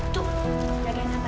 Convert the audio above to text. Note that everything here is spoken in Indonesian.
tuh jangan nyata ya